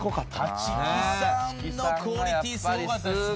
立木さんのクオリティーすごかったですね。